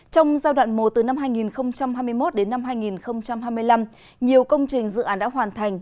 trong giai đoạn mùa từ năm hai nghìn hai mươi một đến năm hai nghìn hai mươi năm nhiều công trình dự án đã hoàn thành